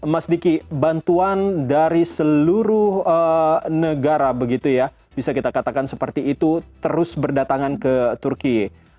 mas diki bantuan dari seluruh negara begitu ya bisa kita katakan seperti itu terus berdatangan ke turki